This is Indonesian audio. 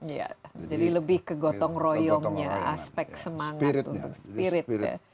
jadi lebih ke gotong royongnya aspek semangat